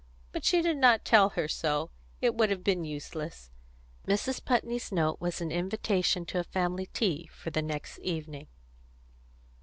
But she did not tell her so; it would have been useless. Mrs. Putney's note was an invitation to a family tea for the next evening.